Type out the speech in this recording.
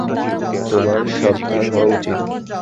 তোমার সাবধান হওয়া উচিত।